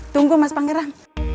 tunggu mas pangeran